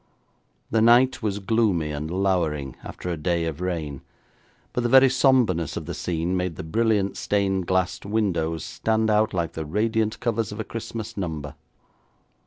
The night was gloomy and lowering after a day of rain, but the very sombreness of the scene made the brilliant stained glass windows stand out like the radiant covers of a Christmas number.